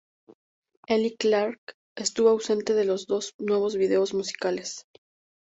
Eli Clark estuvo ausente de los dos nuevos videos musicales.